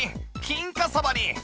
金華さばに